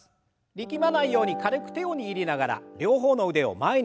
力まないように軽く手を握りながら両方の腕を前に上げて。